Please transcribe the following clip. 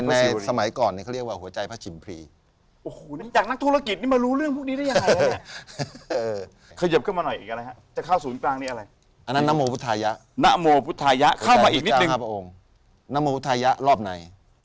ในสมัยก่อนเขาเรียกว่าหัวใจพระชิมพรี